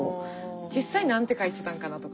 実際何て書いてたんかなとか。